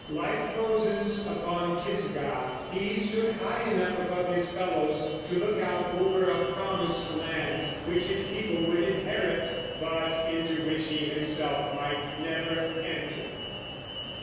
Like Moses upon Pisgah, he stood high enough above his fellows to look out over a promised land, which his people would inherit, but into which he himself might never enter.